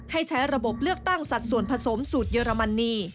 ให้ใช้ระบบเลือกตั้งสัดส่วนผสมสูตรเยอรมนี